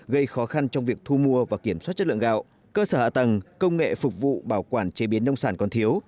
gây khó khăn trong việc thu mua và kiểm soát chất lượng gạo cơ sở hạ tầng công nghệ phục vụ bảo quản chế biến nông sản còn thiếu